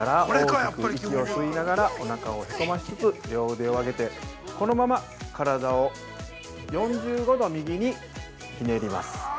◆そこから、先ほどと同じように鼻から大きく息を吸いながらおなかをへこましつつ両腕を上げてこのまま体を４５度右にひねります。